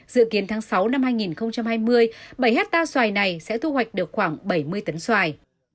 dự kiến tháng sáu năm hai nghìn hai mươi bảy hectare xoài này sẽ thu hoạch được khoảng bảy mươi tấn xoài